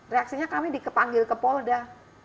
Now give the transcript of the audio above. reaksinya kami dikepanggil ke polda